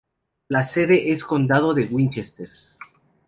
La sede de condado es Winchester.